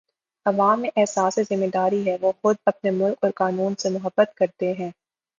عوام میں احساس ذمہ داری ہے وہ خود اپنے ملک اور قانون سے محبت کرتے ہیں